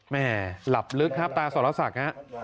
แหม่หลับลึกครับตาสรษัก